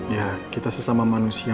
ya kita sesama manusia